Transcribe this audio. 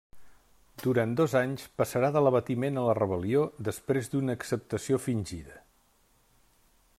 Durant dos anys, passarà de l'abatiment a la rebel·lió després d'una acceptació fingida.